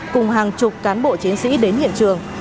cùng hàng chục cán bộ chiến sĩ đến hiện trường